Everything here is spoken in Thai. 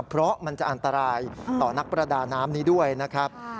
เพราะมันจะอันตรายต่อนักประดาน้ำนี้ด้วยนะครับ